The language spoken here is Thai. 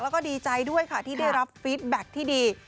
แล้วก็ดีใจด้วยค่ะที่ได้รับฟีดแบ็คที่ดี